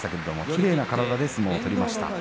きれいな体で相撲を取りました。